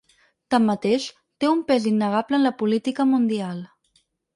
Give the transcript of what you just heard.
Tanmateix, té un pes innegable en la política mundial.